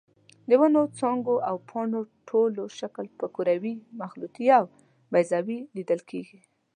د ونو څانګو او پاڼو ټول شکل په کروي، مخروطي او بیضوي لیدل کېږي.